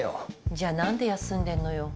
じゃあ何で休んでんのよ。